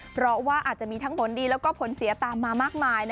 เพราะว่าอาจจะมีทั้งผลดีแล้วก็ผลเสียตามมามากมาย